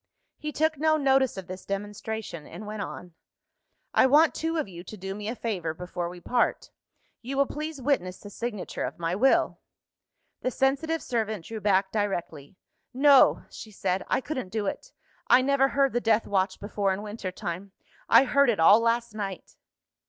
He took no notice of this demonstration, and went on. "I want two of you to do me a favour before we part. You will please witness the signature of my Will." The sensitive servant drew back directly. "No!" she said, "I couldn't do it. I never heard the Death Watch before in winter time I heard it all last night."